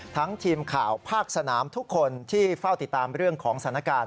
ทีมข่าวภาคสนามทุกคนที่เฝ้าติดตามเรื่องของสถานการณ์